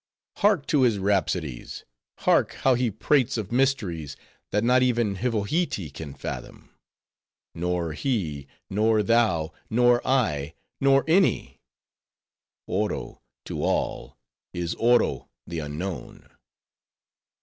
"Hark to his rhapsodies! Hark, how he prates of mysteries, that not even Hivohitee can fathom." "Nor he, nor thou, nor I, nor any; Oro, to all, is Oro the unknown."